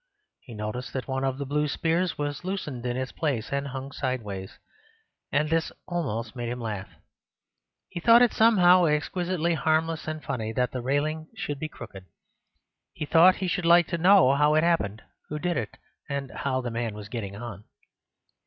He noticed that one of the blue spears was loosened in its place, and hung sideways; and this almost made him laugh. He thought it somehow exquisitely harmless and funny that the railing should be crooked; he thought he should like to know how it happened, who did it, and how the man was getting on.